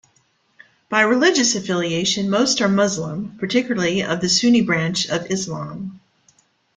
By religious affiliation, most are Muslim, particularly of the Sunni branch of Islam.